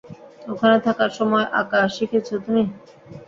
ওখানে থাকার সময় আঁকা শিখেছো তুমি?